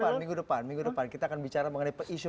kapan minggu depan minggu depan kita akan bicara mengenai isu